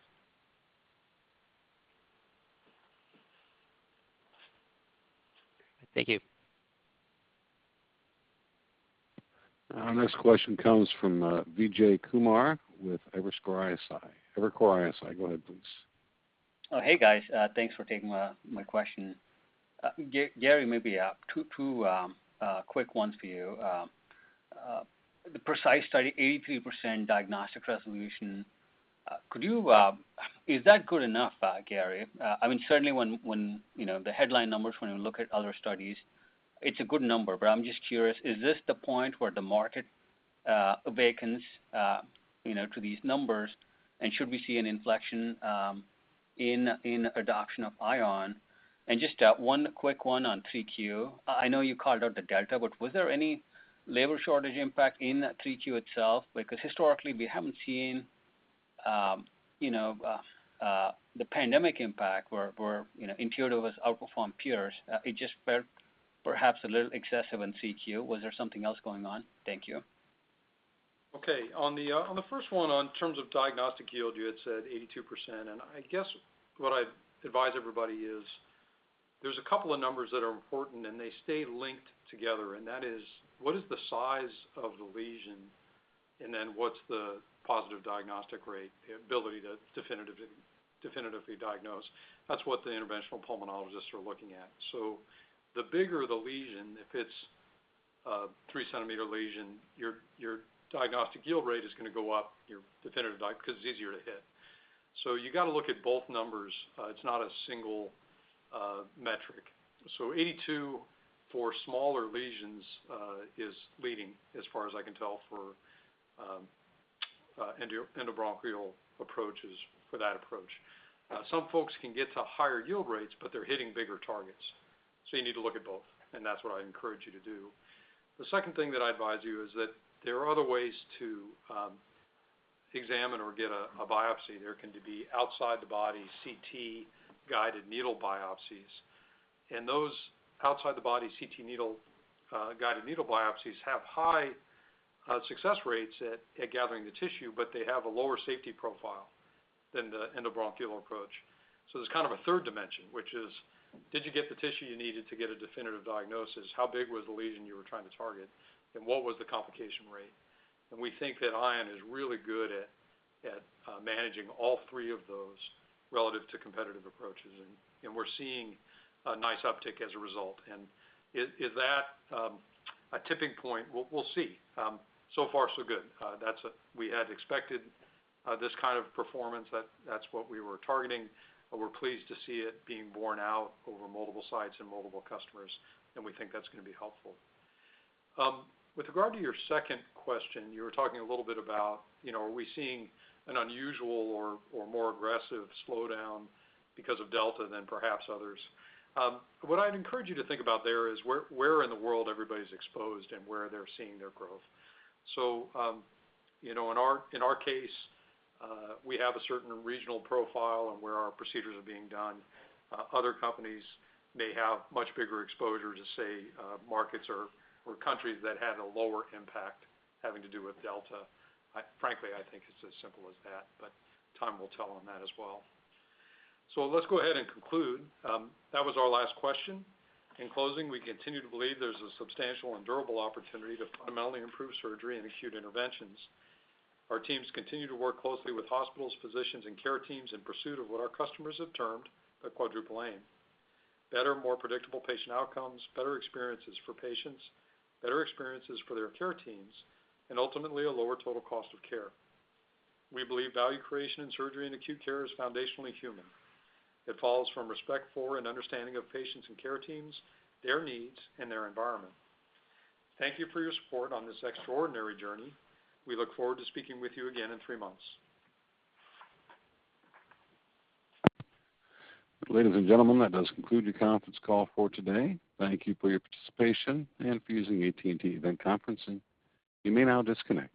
Thank you. Our next question comes from Vijay Kumar with Evercore ISI. Evercore ISI, go ahead please. Oh, hey guys. Thanks for taking my question. Gary, maybe two quick ones for you. The PRECIsE study, 83% diagnostic resolution. Is that good enough, Gary? Certainly, when the headline numbers, when we look at other studies, it's a good number, but I'm just curious, is this the point where the market awakens to these numbers? Should we see an inflection in adoption of Ion? Just one quick one on Q3. I know you called out the Delta, but was there any labor shortage impact in Q3 itself? Historically, we haven't seen the pandemic impact where Intuitive has outperformed peers. It just felt perhaps a little excessive in Q3. Was there something else going on? Thank you. Okay. On the first one, on terms of diagnostic yield, you had said 82%. I guess what I'd advise everybody is there's a couple of numbers that are important, and they stay linked together, and that is what the size of the lesion is, and then what's the positive diagnostic rate, the ability to definitively diagnose. That's what the interventional pulmonologists are looking at. The bigger the lesion, if it's a three-centimeter lesion, your diagnostic yield rate is going to go up, your definitive because it's easier to hit. You got to look at both numbers. It's not a single metric. 82 for smaller lesions is leading as far as I can tell for endobronchial approaches for that approach. Some folks can get to higher yield rates, but they're hitting bigger targets. You need to look at both, and that's what I encourage you to do. The second thing that I advise you is that there are other ways to examine or get a biopsy. There can be outside the body CT-guided needle biopsies. Those outside the body CT-guided needle biopsies have high success rates at gathering the tissue, but they have a lower safety profile than the endobronchial approach. There's kind of a third dimension, which is, did you get the tissue you needed to get a definitive diagnosis? How big was the lesion you were trying to target, and what was the complication rate? We think that Ion is really good at managing all three of those relative to competitive approaches. We're seeing a nice uptick as a result. Is that a tipping point? We'll see. So far so good. We had expected this kind of performance. That's what we were targeting. We're pleased to see it being borne out over multiple sites and multiple customers, and we think that's going to be helpful. With regard to your second question, you were talking a little bit about are we seeing an unusual or more aggressive slowdown because of Delta than perhaps others. What I'd encourage you to think about there is where in the world everybody's exposed and where they're seeing their growth. In our case, we have a certain regional profile on where our procedures are being done. Other companies may have much bigger exposure to, say, markets or countries that had a lower impact having to do with Delta. Frankly, I think it's as simple as that, but time will tell on that as well. Let's go ahead and conclude. That was our last question. In closing, we continue to believe there's a substantial and durable opportunity to fundamentally improve surgery and acute interventions. Our teams continue to work closely with hospitals, physicians, and care teams in pursuit of what our customers have termed the Quadruple Aim. Better, more predictable patient outcomes, better experiences for patients, better experiences for their care teams, and ultimately, a lower total cost of care. We believe value creation in surgery and acute care is foundationally human. It follows from respect for and understanding of patients and care teams, their needs, and their environment. Thank you for your support on this extraordinary journey. We look forward to speaking with you again in three months. Ladies and gentlemen, that does conclude your conference call for today. Thank you for your participation and for using AT&T Event Conferencing. You may now disconnect.